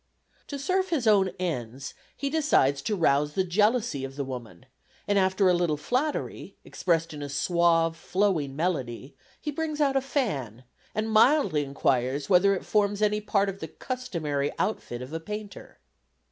To serve his own ends, he decides to rouse the jealousy of the woman; and after a little flattery, expressed in a suave, flowing melody, he brings out a fan and mildly inquires whether it forms any part of the customary outfit of a painter.